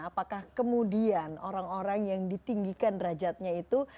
apakah kemudian orang orang yang ditinggikan derajatnya itu